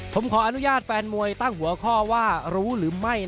ผมขออนุญาตแฟนมวยตั้งหัวข้อว่ารู้หรือไม่